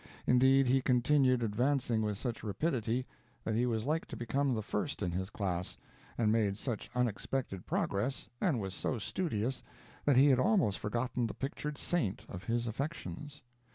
Indeed, he continued advancing with such rapidity that he was like to become the first in his class, and made such unexpected progress, and was so studious, that he had almost forgotten the pictured saint of his affections.